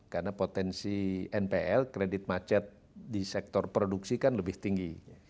karena potensi npl kredit macet di sektor produksi kan lebih tinggi